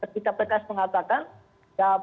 kib mengatakan ya